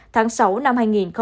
tháng sáu năm hai nghìn một mươi bảy